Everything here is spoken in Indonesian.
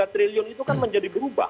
tiga triliun itu kan menjadi berubah